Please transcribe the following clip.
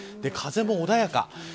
風も穏やか。